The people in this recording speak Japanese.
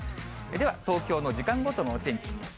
では、東京の時間ごとのお天気。